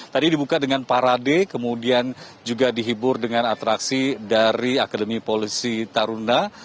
tadi dibuka dengan parade kemudian juga dihibur dengan atraksi dari akademi polisi taruna